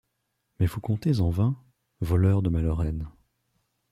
Mais vous comptez en vain, voleurs de ma Lorraine